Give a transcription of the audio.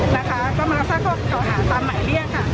นะคะว่ามารักษาก้อเก่าหาตามหมายเรียก